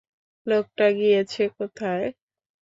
লোকটা গিয়েছে কোথায়?